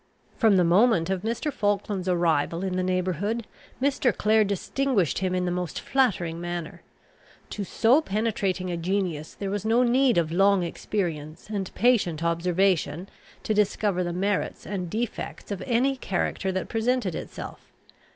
From the moment of Mr. Falkland's arrival in the neighbourhood, Mr. Clare distinguished him in the most flattering manner. To so penetrating a genius there was no need of long experience and patient observation to discover the merits and defects of any character that presented itself.